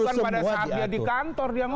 bukan pada saat dia di kantor dia